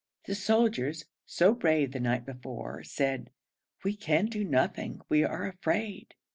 The soldiers, so brave the night before, said: 'We can do nothing we are afraid.